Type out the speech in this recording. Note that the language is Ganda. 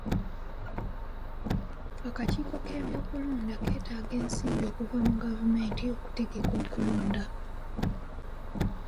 Akakiiko k'ebyokulonda ketaaga ensimbi okuva mu gavumenti okutegeka okulonda.